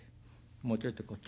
もうちょいとこっち